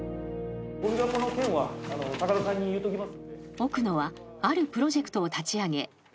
［奥野はあるプロジェクトを立ち上げ有志を募った］